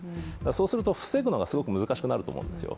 そうすると、防ぐのがすごく難しくなると思うんですよ。